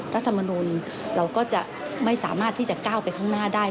รัฐมนุนเราก็จะไม่สามารถที่จะก้าวไปข้างหน้าได้